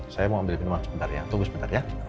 saya mau ambil minuman sebentar ya tunggu sebentar ya